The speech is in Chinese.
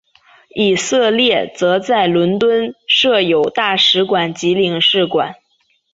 以色列则在伦敦设有大使馆及领事馆。